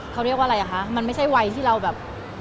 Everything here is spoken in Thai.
เขาเรียกว่าอะไรอ่ะคะมันไม่ใช่วัยที่เราแบบ